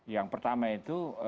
yang pertama itu